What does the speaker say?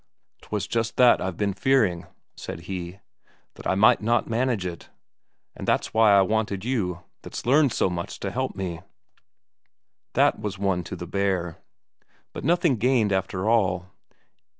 "'Twas just that I've been fearing," said he. "That I might not manage it. And that's why I wanted you that's learned so much to help me." That was one to the bear. But nothing gained after all.